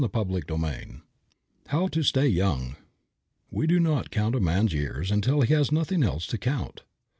CHAPTER XV HOW TO STAY YOUNG We do not count a man's years until he has nothing else to count.